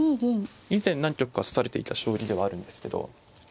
以前何局か指されていた将棋ではあるんですけど。